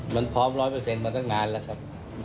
มันพร้อมร้อยเปอร์เซ็นต์มาตั้งนานแล้วครับ